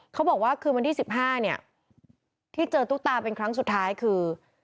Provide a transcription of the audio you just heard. เขาบอกว่าคืนวันที่๑๕เนี่ยที่เจอตุ๊กตาเป็นครั้งสุดท้ายคือ